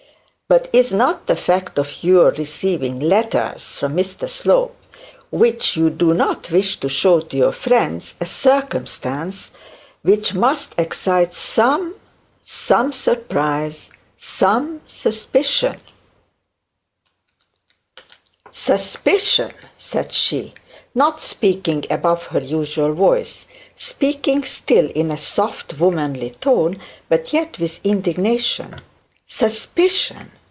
But is not the fact of your receiving letters from Mr Slope, which you do not wish to show to your friends, a circumstance which must excite some some surprise some suspicion ' 'Suspicion!' said she, not speaking above her usual voice, speaking still in a soft womanly tone, but yet with indignation; 'suspicion!